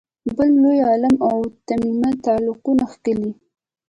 بل لوی عالم ابن تیمیه تعلیقونه کښلي